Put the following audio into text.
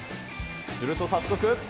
すると、早速。